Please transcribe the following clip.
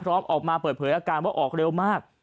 ออกมาเปิดเผยอาการว่าออกเร็วมาก